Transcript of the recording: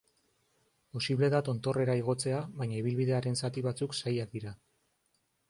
Posible da tontorrera igotzea baina ibilbidearen zati batzuk zailak dira.